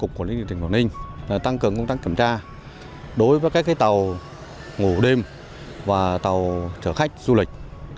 cục quản lý địa tỉnh hoàng ninh tăng cường công tác kiểm tra đối với các cái tàu ngủ đêm và tàu chở khách du lịch